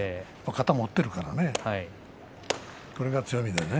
型を持っているからねこれが強みでね。